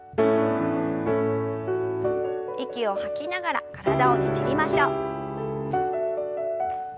息を吐きながら体をねじりましょう。